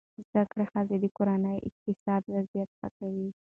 زده کړه ښځه د کورنۍ اقتصادي وضعیت ښه کوي.